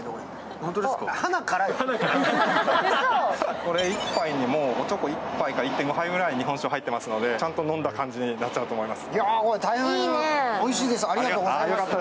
これ１杯に、おちょこ１．５杯から２杯くらいお酒が入っていますので、ちゃんと飲んだ感じになっちゃうと思います。